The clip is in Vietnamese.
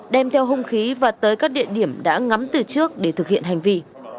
đem theo hung khí và tới các địa điểm đã ngắm từ trước để thực hiện hành vi